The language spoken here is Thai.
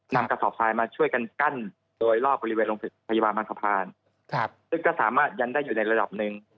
น้ำกับสอบทลายมาช่วยกันกั้นโดยรอบบริเวณโรงพยาบาลบางสภาจะสามารถยันยันอยู่ในระดับนึง